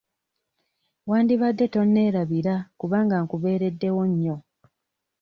Wandibadde tonneerabira kubanga nkubeereddewo nnyo.